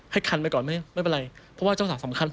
คันไปก่อนไม่เป็นไรเพราะว่าเจ้าสาวสำคัญ